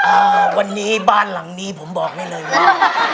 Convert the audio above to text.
อ้าวณิบ้านหลังนี้ผมบอกให้เลยว่า